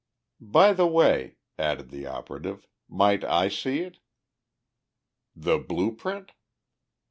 "By the way," added the operative, "might I see it?" "The blue print?"